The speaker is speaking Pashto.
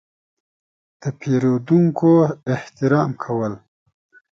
– د پېرودونکو احترام کول.